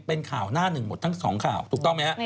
เป็นข่าวหน้า๑หมดครับ